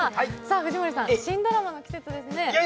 藤森さん、新ドラマの季節ですね。